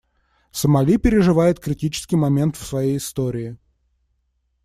Сомали переживает критический момент в своей истории.